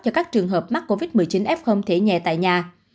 cho các trường hợp mắc covid một mươi chín f thể nhẹ tại nhà